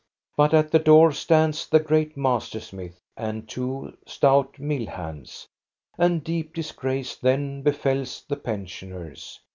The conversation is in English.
But at the door stands the great master smith and two stout mill hands, and deep disgrace then befalls the pensioners.